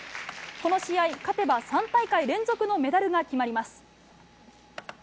この試合、勝てば３大会連続のメダルが決まります。